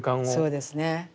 そうですね。